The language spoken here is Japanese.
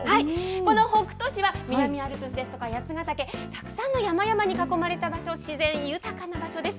この北杜市は、南アルプスですとか八ヶ岳、たくさんの山々に囲まれた場所、自然豊かな場所です。